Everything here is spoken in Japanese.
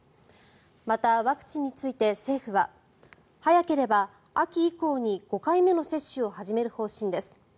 またワクチンについて政府は早ければ秋以降に５回目の接種を始める方針です。